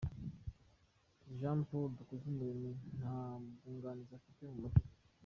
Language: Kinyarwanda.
Jean Paul Dukuzumuremyi nta mwunganizi afite mu mategeko.